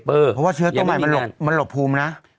เพราะว่าเชื้อตัวใหม่มันหลบภูมินะ